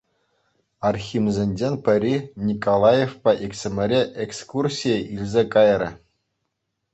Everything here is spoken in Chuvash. Архимсенчен пӗри Николаевпа иксӗмӗре экскурсие илсе кайрӗ.